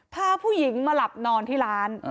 พาผู้หญิงมาหลับนอนที่ร้าน